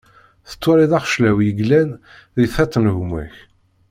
Tettwaliḍ axeclaw yellan di tiṭ n gma-k.